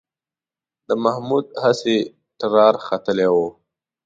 د محمود هسې ټرار ختلی و